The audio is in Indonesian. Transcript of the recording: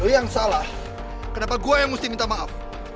lo yang salah kenapa gue yang mesti minta maaf